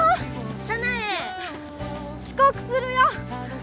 遅刻するよ！